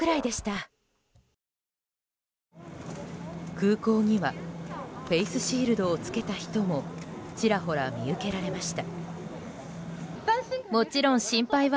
空港にはフェースシールドを着けた人もちらほら見受けられました。